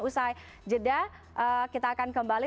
usai jeda kita akan kembali